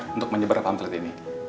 untuk menyebar pamflet ini